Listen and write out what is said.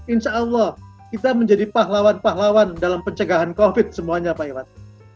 insya allah kita menjadi pahlawan pahlawan dalam pencegahan covid semuanya pak iwan